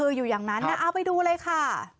เอาไปดูเลยค่ะ